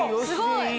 すごい！